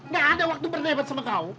gak ada waktu berdebat sama kau